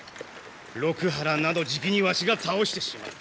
六波羅などじきにわしが倒してしまう。